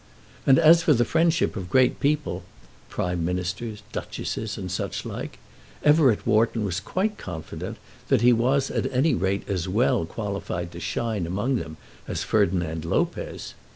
And as for the friendship of great people, Prime Ministers, Duchesses, and such like, Everett Wharton was quite confident that he was at any rate as well qualified to shine among them as Ferdinand Lopez.